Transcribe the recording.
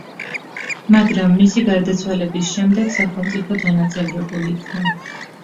მაგრამ მისი გარდაცვალების შემდეგ, სახელმწიფო დანაწევრებულ იქნა.